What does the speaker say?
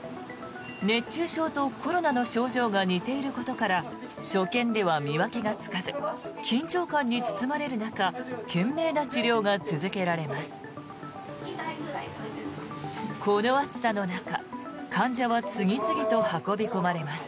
熱中症とコロナの症状が似ていることから所見では見分けがつかず緊張感に包まれる中懸命な治療が続けられます。